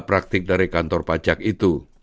praktik dari kantor pajak itu